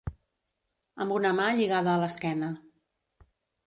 Amb una mà lligada a l'esquena.